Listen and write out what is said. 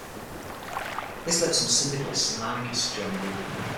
This led some syndicalists and anarchists to join the group.